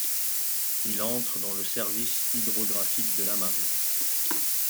Il entre dans le service hydrographique de la marine.